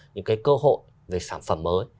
những cái cơ hội về sản phẩm mới